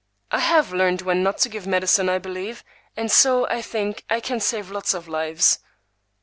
"I have learned when not to give medicine, I believe, and so, I think, I can save lots of lives."